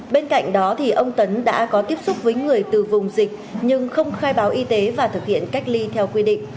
bên cạnh đó ông tấn đã có tiếp xúc với người từ vùng dịch nhưng không khai báo y tế và thực hiện cách ly theo quy định